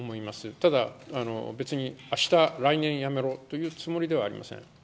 ただ、別にあした、来年やめろというつもりではありません。